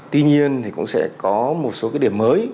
tuy nhiên thì cũng sẽ có một số cái điểm mới